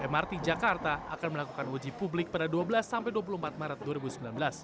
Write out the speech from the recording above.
mrt jakarta akan melakukan uji publik pada dua belas sampai dua puluh empat maret dua ribu sembilan belas